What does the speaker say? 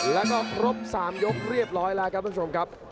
แล้วก็ครบ๓ยกเรียบร้อยแล้วครับท่านผู้ชมครับ